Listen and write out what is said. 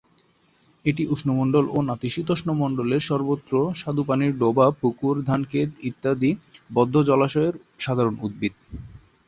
এটি উষ্ণমন্ডল ও নাতিশীতোষ্ণমন্ডলের সর্বত্র স্বাদুপানির ডোবা, পুকুর, ধানক্ষেত ইত্যাদি বদ্ধ জলাশয়ের সাধারণ উদ্ভিদ।